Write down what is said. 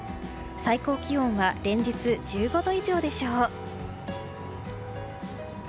最高気温は連日１５度以上でしょう。